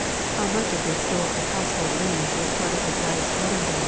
How much of this store of household linens was part of his wife's wedding dower is not stated.